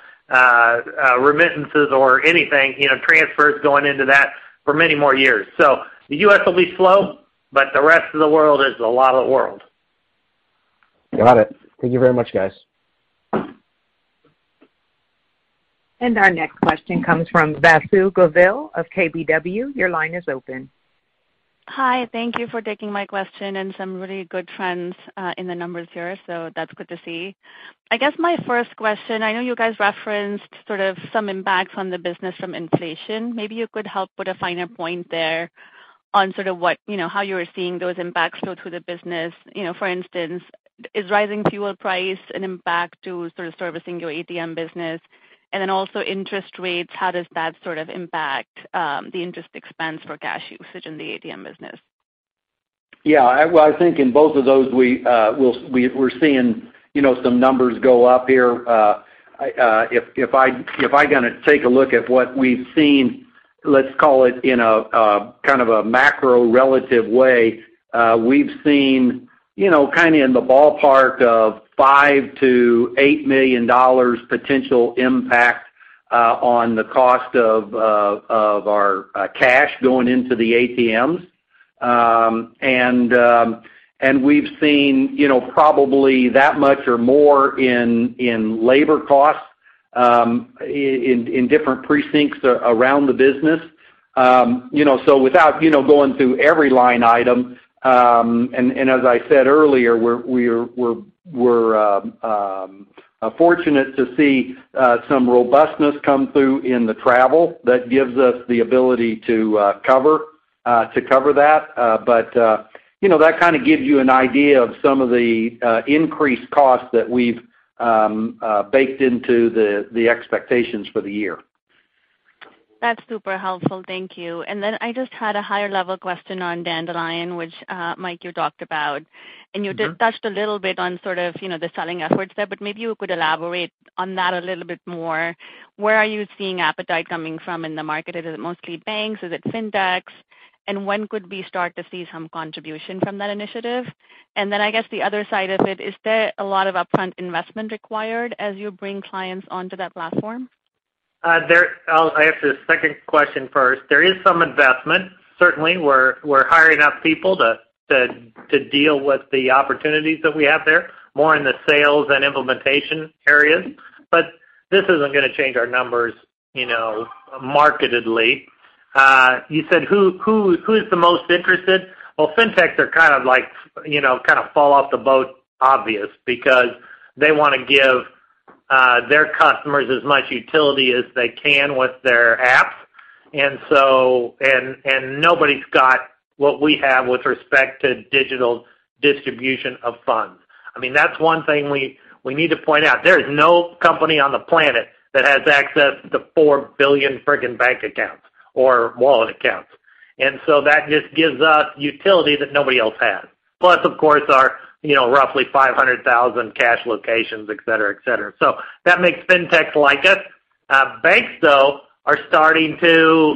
remittances or anything, you know, transfers going into that for many more years. The U.S. will be slow, but the rest of the world is a lot of the world. Got it. Thank you very much, guys. Our next question comes from Vasu Govil of KBW. Your line is open. Hi. Thank you for taking my question and some really good trends in the numbers here. That's good to see. I guess my first question, I know you guys referenced sort of some impact on the business from inflation. Maybe you could help put a finer point there on sort of what, you know, how you were seeing those impacts flow through the business. You know, for instance, is rising fuel price an impact to sort of servicing your ATM business? And then also interest rates, how does that sort of impact the interest expense for cash usage in the ATM business? Yeah. Well, I think in both of those, we're seeing, you know, some numbers go up here. If I gonna take a look at what we've seen, let's call it in a kind of a macro relative way, we've seen, you know, kinda in the ballpark of $5 million-$8 million potential impact on the cost of our cash going into the ATMs. We've seen, you know, probably that much or more in labor costs in different segments around the business. You know, without going through every line item, and as I said earlier, we're fortunate to see some robustness come through in the travel that gives us the ability to cover that. But you know, that kinda gives you an idea of some of the increased costs that we've baked into the expectations for the year. That's super helpful. Thank you. I just had a higher level question on Dandelion, which, Mike, you talked about. Mm-hmm. You did touch a little bit on sort of, you know, the selling efforts there, but maybe you could elaborate on that a little bit more. Where are you seeing appetite coming from in the market? Is it mostly banks? Is it fintechs? When could we start to see some contribution from that initiative? I guess the other side of it, is there a lot of upfront investment required as you bring clients onto that platform? I'll answer the second question first. There is some investment, certainly. We're hiring up people to deal with the opportunities that we have there, more in the sales and implementation areas. This isn't gonna change our numbers, you know, markedly. You said who's the most interested? Well, fintechs are kind of like, you know, kinda fall off the boat obvious because they wanna give their customers as much utility as they can with their apps. Nobody's got what we have with respect to digital distribution of funds. I mean, that's one thing we need to point out. There is no company on the planet that has access to 4 billion freaking bank accounts or wallet accounts. That just gives us utility that nobody else has. Plus, of course, our, you know, roughly 500,000 cash locations, et cetera, et cetera. That makes fintechs like us. Banks, though, are starting to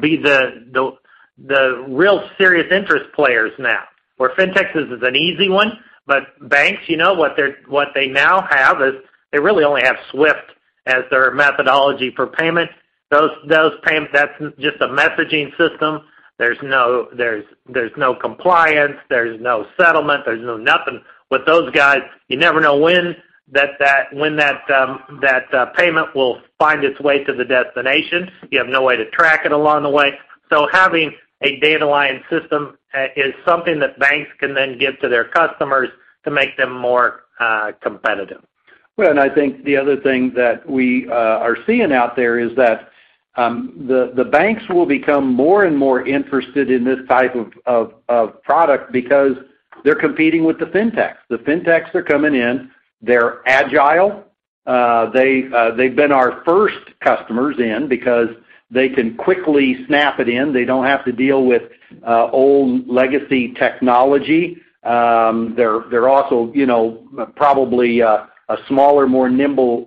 be the real serious interest players now. Whereas fintechs is an easy one, but banks, you know, what they now have is they really only have SWIFT as their methodology for payment. Those payments. That's just a messaging system. There's no compliance, there's no settlement, there's no nothing. With those guys, you never know when that payment will find its way to the destination. You have no way to track it along the way. Having a Dandelion system is something that banks can then give to their customers to make them more competitive. Well, I think the other thing that we are seeing out there is that the banks will become more and more interested in this type of product because they're competing with the Fintechs. The Fintechs are coming in, they're agile, they've been our first customers in because they can quickly snap it in. They don't have to deal with old legacy technology. They're also, you know, probably a smaller, more nimble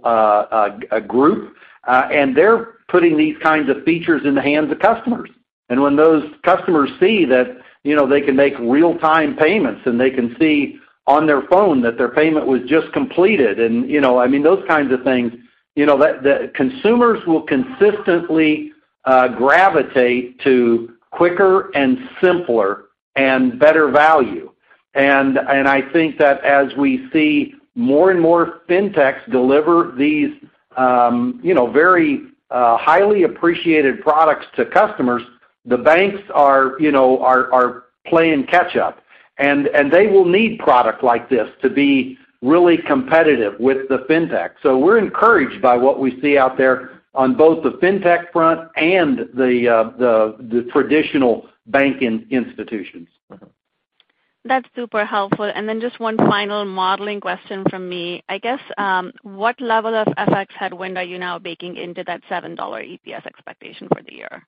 group, and they're putting these kinds of features in the hands of customers. When those customers see that, you know, they can make real-time payments, and they can see on their phone that their payment was just completed and, you know, I mean, those kinds of things that consumers will consistently gravitate to quicker and simpler and better value. I think that as we see more and more fintechs deliver these very highly appreciated products to customers, the banks are playing catch up. They will need product like this to be really competitive with the fintech. We're encouraged by what we see out there on both the fintech front and the traditional banking institutions. That's super helpful. Just one final modeling question from me. I guess, what level of FX headwind are you now baking into that $7 EPS expectation for the year?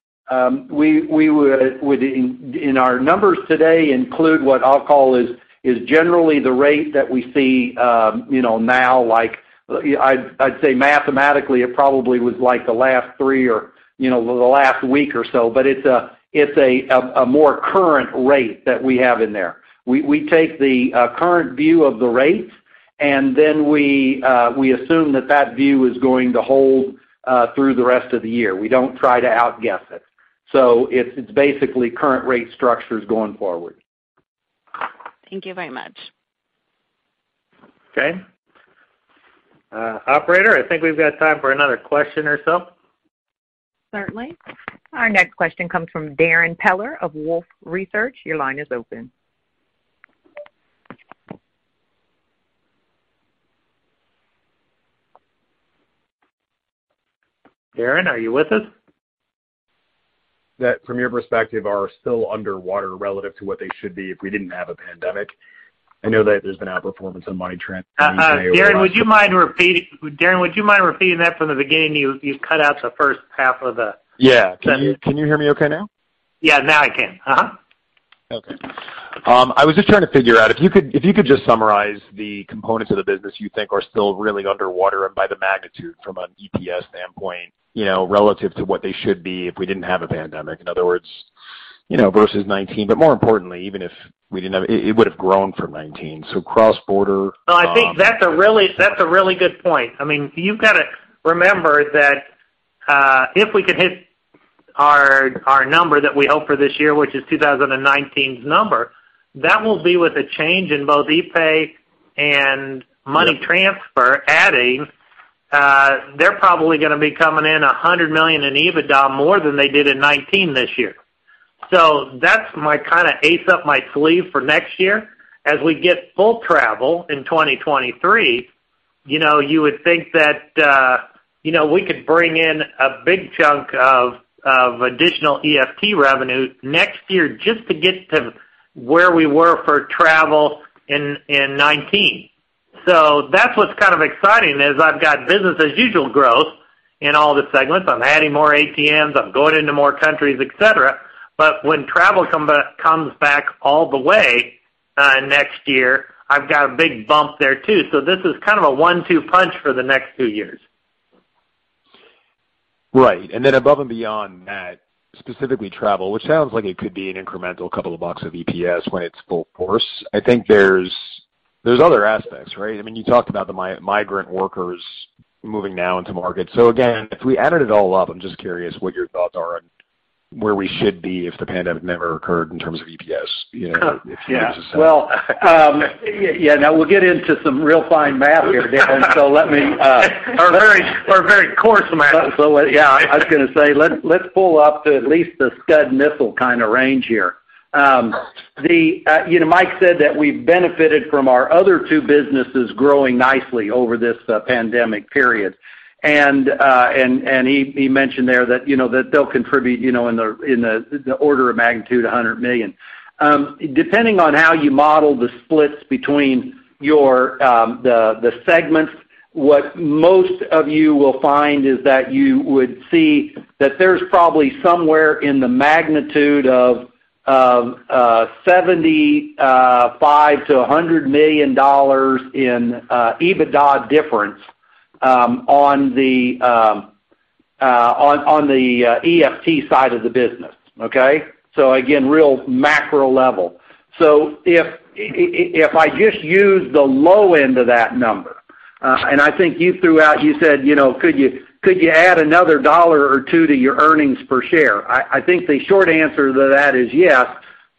We would in our numbers today include what I'll call is generally the rate that we see, you know, now, like I'd say mathematically it probably was like the last three or, you know, the last week or so, but it's a more current rate that we have in there. We take the current view of the rates, and then we assume that view is going to hold through the rest of the year. We don't try to outguess it. It's basically current rate structures going forward. Thank you very much. Okay. Operator, I think we've got time for another question or so. Certainly. Our next question comes from Darrin Peller of Wolfe Research. Your line is open. Darrin, are you with us? That from your perspective are still underwater relative to what they should be if we didn't have a pandemic. I know that there's been outperformance on money transfer. Darrin, would you mind repeating that from the beginning? You cut out the first half of the Yeah. Can you hear me okay now? Yeah, now I can. Uh-huh. Okay. I was just trying to figure out if you could just summarize the components of the business you think are still really underwater and by the magnitude from an EPS standpoint, you know, relative to what they should be if we didn't have a pandemic. In other words, you know, versus 2019, but more importantly, even if we didn't have it would have grown from 2019, so cross-border. No, I think that's a really good point. I mean, you've got to remember that if we could hit our number that we hope for this year, which is 2019's number, that will be with a change in both epay and money transfer adding, they're probably gonna be coming in $100 million in EBITDA more than they did in 2019 this year. That's my kind of ace up my sleeve for next year. As we get full travel in 2023, you know, you would think that you know, we could bring in a big chunk of additional EFT revenue next year just to get to where we were for travel in 2019. That's what's kind of exciting, is I've got business as usual growth in all the segments. I'm adding more ATMs, I'm going into more countries, et cetera. When travel comes back all the way, next year, I've got a big bump there too. This is kind of a one-two punch for the next two years. Right. Above and beyond that, specifically travel, which sounds like it could be an incremental couple of bucks of EPS when it's full force. I think there's other aspects, right? I mean, you talked about the migrant workers moving now into markets. Again, if we added it all up, I'm just curious what your thoughts are on where we should be if the pandemic never occurred in terms of EPS, you know, if you had to say. Yeah. Well, yeah, now we'll get into some real fine math here, Darrin. Let me, Very coarse math. Yeah, I was gonna say, let's pull up to at least the Scud missile kind of range here. Mike said that we benefited from our other two businesses growing nicely over this pandemic period. He mentioned there that, you know, that they'll contribute, you know, in the order of magnitude $100 million. Depending on how you model the splits between the segments, what most of you will find is that you would see that there's probably somewhere in the magnitude of $75 million-$100 million in EBITDA difference on the EFT side of the business. Okay. Again, real macro level. If I just use the low end of that number, and I think you threw out, you said, you know, could you add another $1 or $2 to your earnings per share? I think the short answer to that is yes.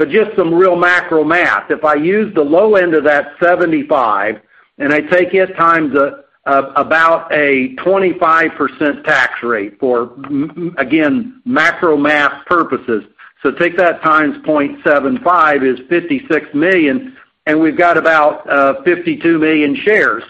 Just some real macro math. If I use the low end of that 75, and I take it times about a 25% tax rate for again, macro math purposes. Take that times 0.75 is $56 million, and we've got about 52 million shares.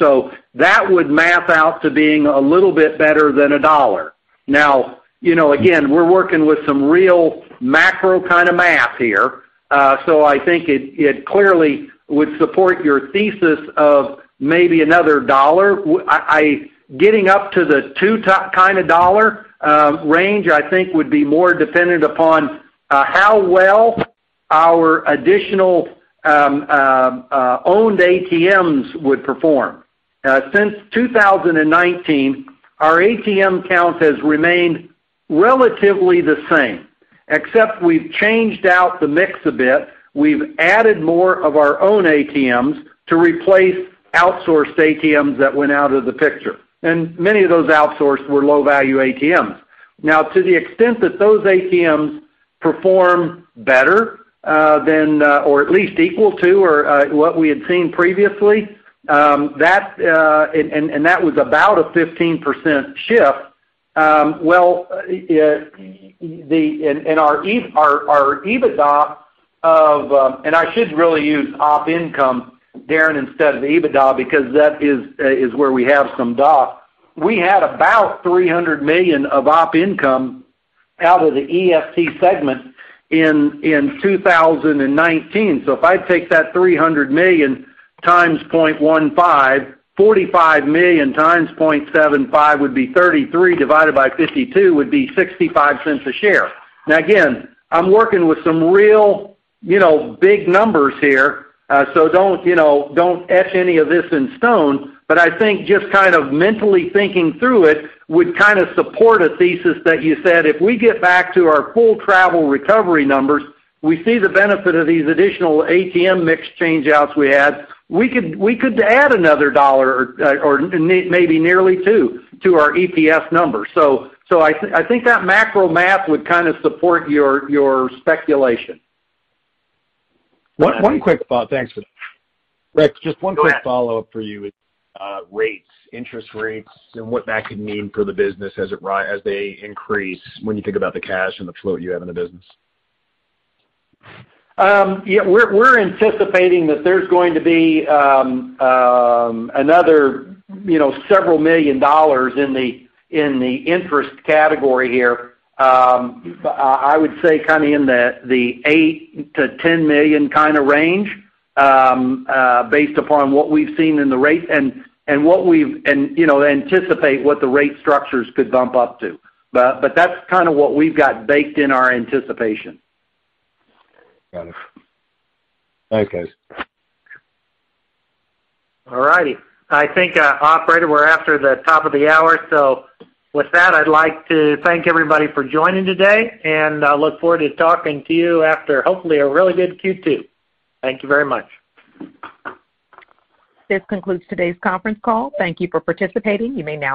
That would math out to being a little bit better than a dollar. You know, again, we're working with some real macro kind of math here. I think it clearly would support your thesis of maybe another $1. Well, I. Getting up to the two-digit dollar range, I think, would be more dependent upon how well our additional owned ATMs would perform. Since 2019, our ATM count has remained relatively the same, except we've changed out the mix a bit. We've added more of our own ATMs to replace outsourced ATMs that went out of the picture, and many of those outsourced were low-value ATMs. Now, to the extent that those ATMs perform better than or at least equal to what we had seen previously, that was about a 15% shift. In our EBITDA of. I should really use op income, Darrin, instead of EBITDA because that is where we have some DCC. We had about $300 million of op income out of the EFT segment in 2019. If I take that $300 million times 0.15, $45 million times 0.75 would be 33, divided by 52 would be $0.65 a share. Now, again, I'm working with some real, you know, big numbers here, so don't, you know, don't etch any of this in stone. But I think just kind of mentally thinking through it would kinda support a thesis that you said, if we get back to our full travel recovery numbers, we see the benefit of these additional ATM mix changeouts we had, we could add another $1 or maybe nearly $2 to our EPS numbers. I think that macro math would kinda support your speculation. One quick follow-up. Thanks. Rick, just one quick follow-up for you is rates, interest rates and what that could mean for the business as they increase when you think about the cash and the float you have in the business. Yeah, we're anticipating that there's going to be another, you know, several million in the interest category here. I would say kinda in the $8 million-$10 million kinda range based upon what we've seen in the rates and, you know, what we anticipate the rate structures could bump up to. That's kinda what we've got baked in our anticipation. Got it. Thanks, guys. All righty. I think, operator, we're after the top of the hour. With that, I'd like to thank everybody for joining today, and I look forward to talking to you after hopefully a really good Q2. Thank you very much. This concludes today's conference call. Thank you for participating. You may now.